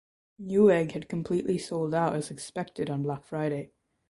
Newegg had completely sold out as expected on Black Friday.